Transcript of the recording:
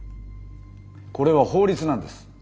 これは法律なんです。